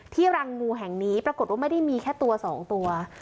รังงูแห่งนี้ปรากฏว่าไม่ได้มีแค่ตัวสองตัว